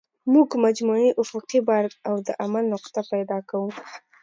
موږ مجموعي افقي بار او د عمل نقطه پیدا کوو